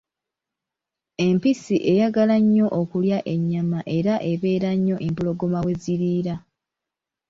Empisi eyagala nnyo okulya ennyama era ebeera nnyo empologoma we ziriira.